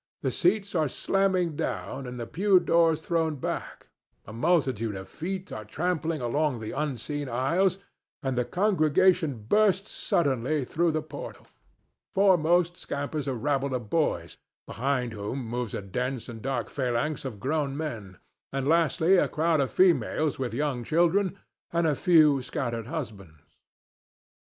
The seats are slammed down and the pew doors thrown back; a multitude of feet are trampling along the unseen aisles, and the congregation bursts suddenly through the portal. Foremost scampers a rabble of boys, behind whom moves a dense and dark phalanx of grown men, and lastly a crowd of females with young children and a few scattered husbands.